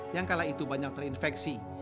yang kala itu banyak terinfeksi